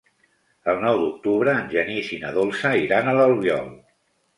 El nou d'octubre en Genís i na Dolça iran a l'Albiol.